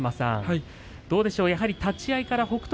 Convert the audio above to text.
どうでしょう、立ち合いから北勝